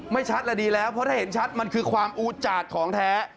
ชัดแล้วดีแล้วเพราะถ้าเห็นชัดมันคือความอูจาดของแท้